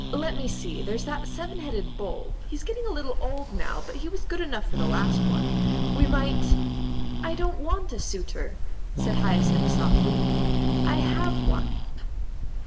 Let me see, there's that seven headed bull; he's getting a little old now, but he was good enough for the last one. We might " "I don't want a suitor," said Hyacinth softly. "I have one."